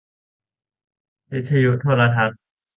วิทยุโทรทัศน์